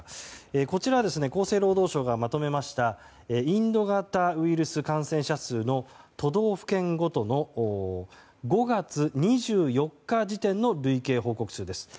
こちらは厚生労働省がまとめましたインド型ウイルス感染者数の都道府県ごとの５月２４日時点の累計報告数です。